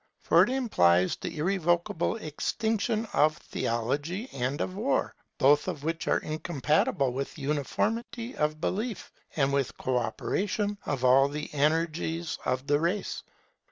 For it implies the irrevocable extinction of theology and of war; both of which are incompatible with uniformity of belief and with co operation of all the energies of the race.